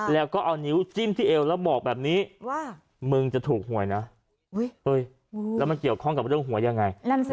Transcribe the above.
แล้วก็เอานิ้วจิ้มที่เอวแล้วบอกแบบนี้ว่ามึงจะถูกหวยนะแล้วมันเกี่ยวข้องกับเรื่องหวยยังไง